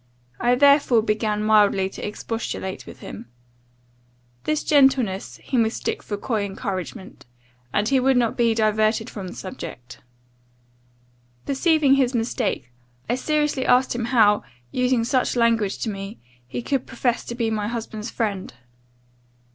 I therefore began mildly to expostulate with him. This gentleness he mistook for coy encouragement; and he would not be diverted from the subject. Perceiving his mistake, I seriously asked him how, using such language to me, he could profess to be my husband's friend?